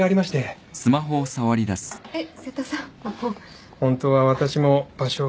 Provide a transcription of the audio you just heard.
えっ？